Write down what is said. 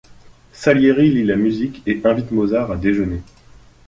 Salieri lit la musique et invite Mozart à déjeuner.